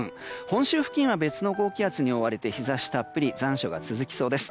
本州付近は別の高気圧に覆われて日差したっぷり残暑が続きそうです。